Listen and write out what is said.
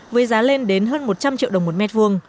với giá lên đến hơn một trăm linh triệu đồng một mét vuông